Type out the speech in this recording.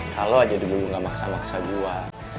kalau aja dulu gak maksa maksa gue